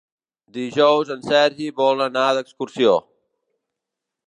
Dijous en Sergi vol anar d'excursió.